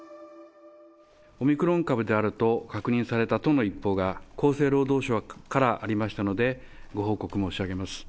オミクロン株であると確認されたとの一報が厚生労働省からありましたので、ご報告申し上げます。